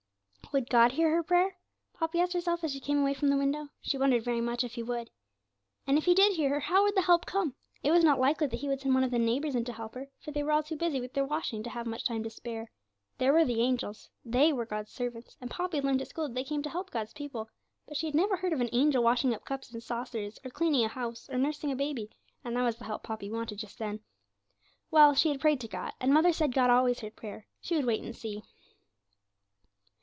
Would God hear her prayer? Poppy asked herself, as she came away from the window; she wondered very much if he would. And, if He did hear her, how would the help come? It was not likely that He would send one of the neighbours in to help her, for they were all too busy with their washing to have much time to spare. There were the angels, they were God's servants, and Poppy had learnt at school that they came to help God's people; but she had never heard of an angel washing up cups and saucers, or cleaning a house, or nursing a baby, and that was the help Poppy wanted just then. Well, she had prayed to God, and mother said God always heard prayer; she would wait and see.